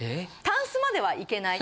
タンスまでは行けない。